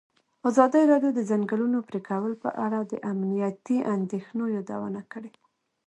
ازادي راډیو د د ځنګلونو پرېکول په اړه د امنیتي اندېښنو یادونه کړې.